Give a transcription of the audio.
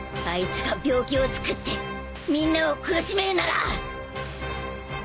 あいつが病気をつくってみんなを苦しめるなら。